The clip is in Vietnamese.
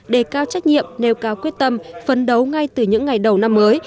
đề cao trách nhiệm nêu cao quyết tâm phấn đấu ngay từ những ngày đầu năm mới